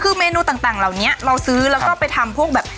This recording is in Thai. คือเมนูต่างเหล่านี้เราซื้อแล้วก็ไปทำพวกแบบ